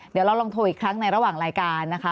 เดี๋ยวเราลองโทรอีกครั้งในระหว่างรายการนะคะ